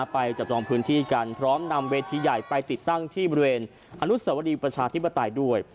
ไปจับจองพื้นที่กันพร้อมนำเวทีใหญ่ไปติดตั้งที่บริเวณอนุสวรีประชาธิปไตยด้วย